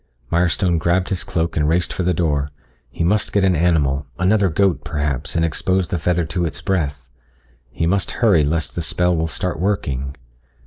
Mirestone grabbed his cloak and raced for the door. He must get an animal another goat, perhaps, and expose the feather to its breath. He must hurry lest the spell will start working.